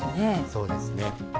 そうですね。